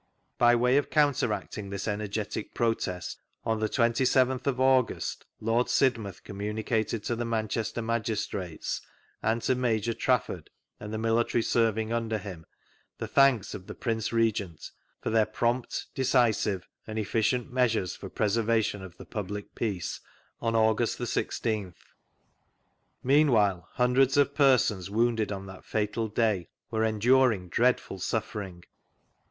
By way of counteracting this energetic protest, on the 27th of August Lord Sidmouth communi cated to the Manchester Magistrates and to Major Trafford and the military serving under him the thanks of the Prince Regent "for their prompt, decisive, and efficient measures for preservation of the public peace on August the i6th." Meanwhile hundreds of persons wounded on that fatal day were enduring dreadful suffering.